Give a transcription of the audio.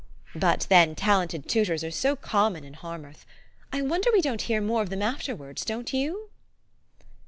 But, then, talented tutors are so common in Harmouth ! I wonder we don't hear more of them afterwards, don't you?"